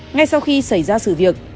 ngay sau khi xảy ra sự việc